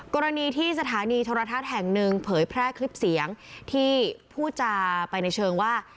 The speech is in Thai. กรณีที่สถานีโทรทัศน์แห่งหนึ่งเผยแพร่คลิปเสียงที่พูดจาไปในเชิงว่า